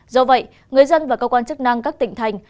do vậy người dân và cơ quan chức năng các tỉnh thành